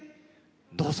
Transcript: どうぞ。